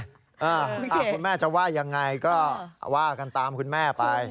คุณแม่จะว่ายังไงก็ว่ากันตามคุณแม่ไป